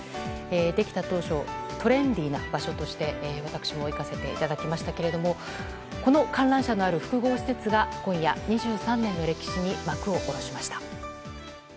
できた当初トレンディーな場所として私も行かせていただきましたがこの観覧車のある複合施設が今夜、２３年の歴史に幕を下ろしました。